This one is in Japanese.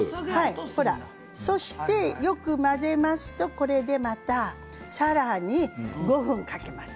そしてよく混ぜますとこれでまた、さらに５分かけていきます。